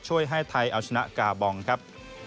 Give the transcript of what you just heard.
ให้ไทยเอาชนะกาบองครับ